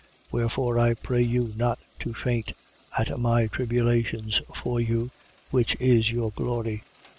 3:13. Wherefore I pray you not to faint at my tribulations for you, which is your glory.